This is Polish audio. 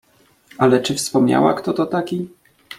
"Ale, czy wspominała, kto to taki?"